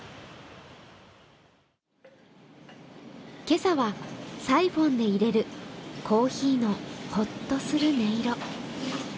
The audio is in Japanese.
今朝はサイフォンで入れるコーヒーのほっとする音色。